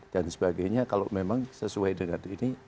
dan sebagainya kalau memang sesuai dengan ini